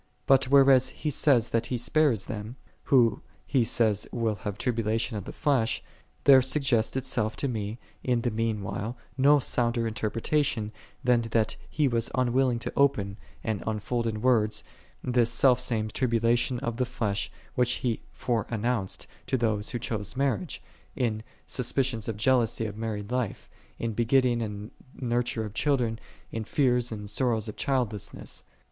But whereas he says that he spares them, who he saith will 'have tribulation of the flesh, there suggests itself to me in the mean while no sounder interpretation, than that he was unwilling to open, and unfold in words, this self same tribulation of the flesh, which he fore announced to those who choose marriage, in suspicions of jealousy of married life, in the begetting and nurture of children, in fears and sorrows of childlessness.